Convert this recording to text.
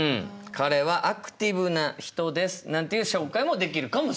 「彼はアクティブな人です」なんていう紹介もできるかもしれません。